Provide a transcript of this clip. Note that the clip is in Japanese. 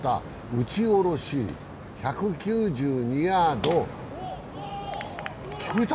打ち下ろし、１９２ヤード。聞こえた？